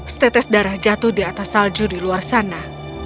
setetes darah jatuh di atas salju di luar sana